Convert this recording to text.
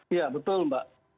iya betul mbak